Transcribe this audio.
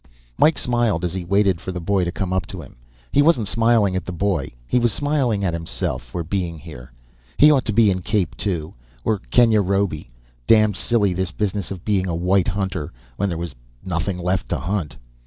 Mike smiled as he waited for the boy to come up to him. He wasn't smiling at the boy he was smiling at himself, for being here. He ought to be in Cape, too, or Kenyarobi. Damned silly, this business of being a white hunter, when there was nothing left to hunt.